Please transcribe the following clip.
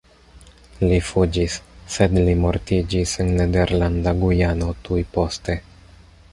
Li fuĝis, sed li mortiĝis en Nederlanda Gujano tuj poste.